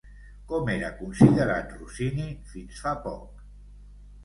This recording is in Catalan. Com era considerat Rossini fins fa poc?